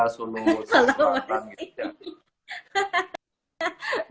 solo besi selatan